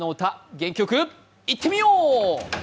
元気よくいってみよう！